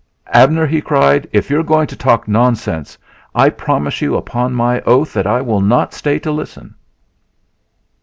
"Abner," he cried, "if you are going to talk nonsense I promise you upon my oath that I will not stay to listen."